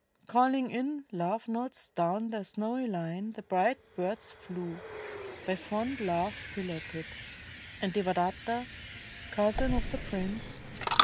Calling in love notes down their snowy line The bright birds flew, by fond love piloted; And Devadatta, cousin of the prince.